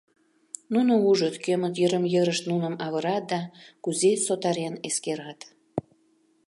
Нуно ужыт: кӧмыт йырым-йырышт нуным авырат да кузе сотарен эскерат.